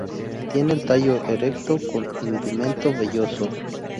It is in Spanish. Tiene el tallo erecto, con indumento velloso.